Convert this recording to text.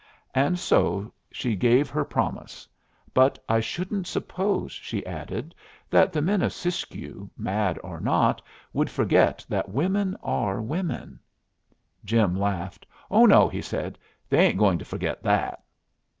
And so she gave her promise. "But I shouldn't suppose," she added, "that the men of Siskiyou, mad or not, would forget that women are women." Jim laughed. "Oh no," he said, "they ain't going to forget that."